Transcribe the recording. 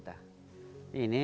tetapi adalah untuk menghidupi kita